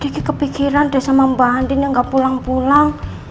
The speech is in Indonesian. kiki kepikiran deh sama mbak andin yang gak pulang pulang